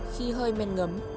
khi hơi men ngấm